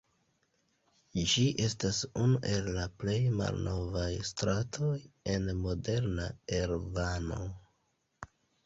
Ĝi estas unu el la plej malnovaj stratoj en moderna Erevano.